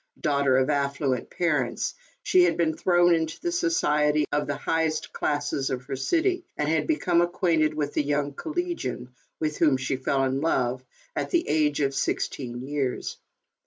Daughter of x affluent parents, she had been thrown into the society of the highest classes of her city, and had become acquainted with a young collegian, with whom she fell in love, at the age of sixteen years.